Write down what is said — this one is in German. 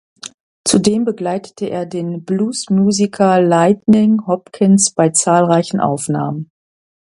Zudem begleitete er den Bluesmusiker Lightnin` Hopkins bei zahlreichen Aufnahmen.